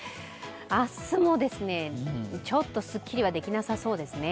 明日もちょっとすっきりはできなさそうですね。